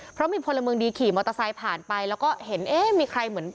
เพราะมีพลเมืองดีขี่มอเตอร์ไซค์ผ่านไปแล้วก็เห็นเอ๊ะมีใครเหมือน